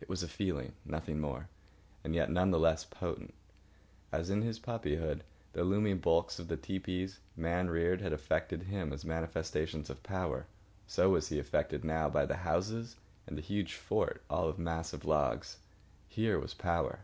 It was a feeling, nothing more, and yet none the less potent. As, in his puppyhood, the looming bulks of the tepees, man reared, had affected him as manifestations of power, so was he affected now by the houses and the huge fort all of massive logs. Here was power.